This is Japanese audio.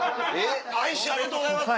大使ありがとうございます！